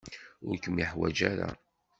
Ur kem-ḥwajeɣ ara.